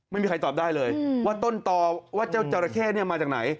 ไม่มีใครตอบได้เลยว่าต้นต่อว่าเจ้าจอราเข้มาจากไหน